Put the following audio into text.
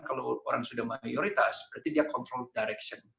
kalau orang sudah mayoritas berarti dia mengawasi arahnya